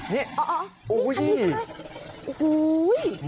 นี่อ๋ออ๋ออันนี้ใช่ไหม